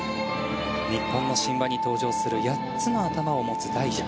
日本の神話に登場する８つの頭を持つ大蛇。